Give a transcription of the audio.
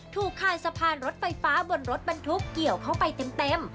คานสะพานรถไฟฟ้าบนรถบรรทุกเกี่ยวเข้าไปเต็ม